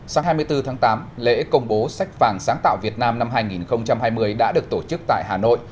sáng hai mươi bốn tháng tám lễ công bố sách vàng sáng tạo việt nam năm hai nghìn hai mươi đã được tổ chức tại hà nội